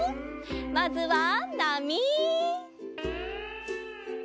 まずはなみ。